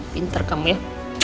pinter kamu ya